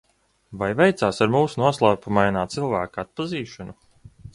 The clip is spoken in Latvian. Vai veicās ar mūsu noslēpumainā cilvēka atpazīšanu?